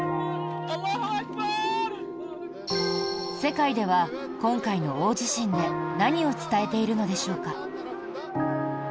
世界では今回の大地震で何を伝えているのでしょうか。